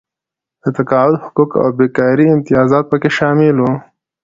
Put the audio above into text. د تقاعد حقوق او بېکارۍ امتیازات پکې شامل وو.